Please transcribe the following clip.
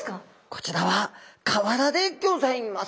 こちらは瓦でギョざいます。